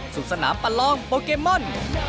สนามประลองโปเกมอน